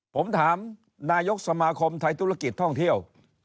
ผมถามนายกสมาคมไทยธุรกิจท่องเที่ยว